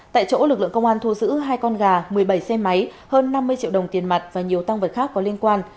tại chỗ lực lượng công an thu giữ hai con gà một mươi bảy xe máy hơn năm mươi triệu đồng tiền mặt và nhiều tăng vật khác có liên quan